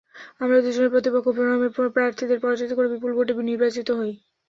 আমরা দুজনই প্রতিপক্ষ ফেরামের প্রার্থীদের পরাজিত করে বিপুল ভোটে নির্বাচিত হই।